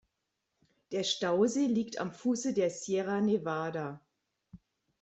Der Stausee liegt am Fuße der Sierra Nevada.